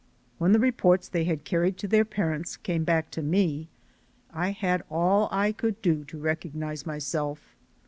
When the reports they had carried to their parents came back to me, I had all I could do to recognize myself.